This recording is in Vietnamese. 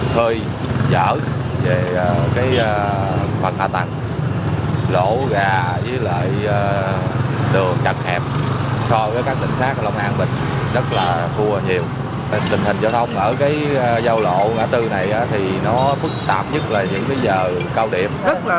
tình hình giao thông ở giao lộ ngã tư này phức tạp nhất là những giờ cao điểm